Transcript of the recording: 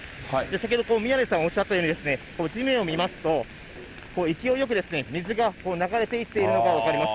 先ほど、宮根さんおっしゃったように、地面を見ますと、勢いよく水が流れていっているのが分かります。